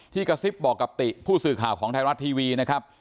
กระซิบบอกกับติผู้สื่อข่าวของไทยรัฐทีวีนะครับ